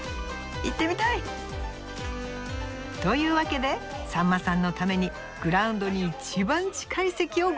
行ってみたい！というわけでさんまさんのためにグラウンドに一番近い席をご用意しました。